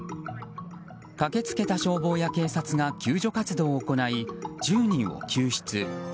駆け付けた消防や警察が救助活動を行い１０人を救出。